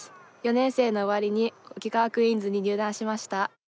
４年生の終わりに桶川クイーンズに入団しました。